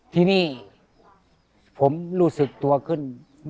ที่นี่ผมรู้สึกตัวขึ้น